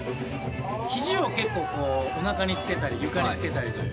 肘を結構こうおなかにつけたり床につけたりという。